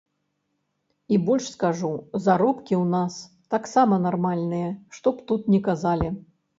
І больш скажу, заробкі ў нас таксама нармальныя, што б тут ні казалі.